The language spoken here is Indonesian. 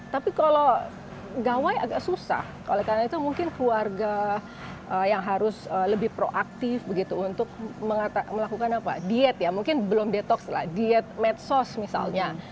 tapi kalau gawai agak susah oleh karena itu mungkin keluarga yang harus lebih proaktif begitu untuk melakukan apa diet ya mungkin belum detox lah diet medsos misalnya